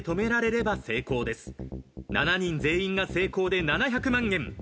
７人全員が成功で７００万円。